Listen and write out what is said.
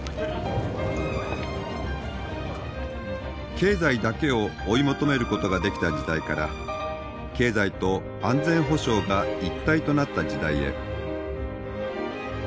経済だけを追い求めることができた時代から経済と安全保障が一体となった時代へ。